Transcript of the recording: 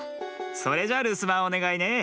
それじゃるすばんおねがいね。